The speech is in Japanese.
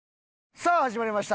さあ始まりました。